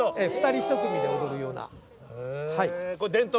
２人１組で踊るような。